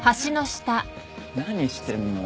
何してんの？